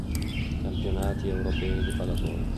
Campionati europei di pallavolo